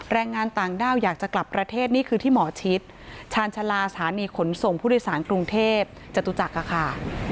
แรงงานต่างด้าวอยากจะกลับประเทศนี่คือที่หมอชิดชาญชาลาสถานีขนส่งผู้โดยสารกรุงเทพจตุจักรค่ะ